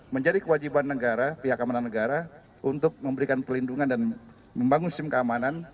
menjadi kewajiban negara pihak keamanan negara untuk memberikan pelindungan dan membangun sistem keamanan